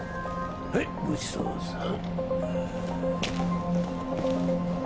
はいごちそうさん